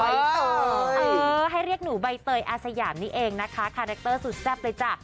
ให้เรียกหนูใบเตยอาสยามนี่เองนะคะคาแรคเตอร์สุดแซ่บเลยจ้ะ